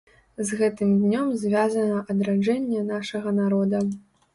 З гэтым днём звязана адраджэнне нашага народа.